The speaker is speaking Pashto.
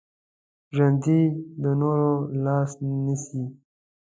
ژوندي د نورو لاس نیسي